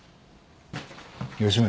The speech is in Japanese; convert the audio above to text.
吉村。